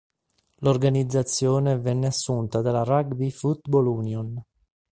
L'organizzazione venne assunta dalla Rugby Football Union.